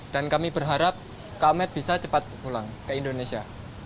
dan kami berharap komet bisa cepat pulang ke indonesia